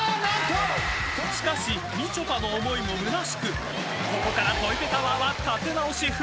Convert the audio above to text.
［しかしみちょぱの思いもむなしくここからトイペタワーは立て直し不能］